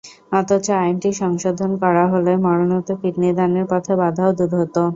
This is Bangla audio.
অথচ আইনটি সংশোধন করা হলে মরণোত্তর কিডনি দানের পথে বাধাও দূর হতো।